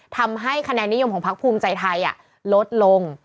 ทำให้คะแนนนิยมของพักภูมิใจไทยลดลง